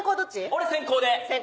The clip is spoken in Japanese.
俺先攻で。